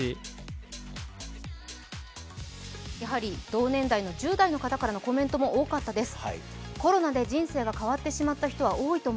同年代の１０代の方からのコメントも多かったです。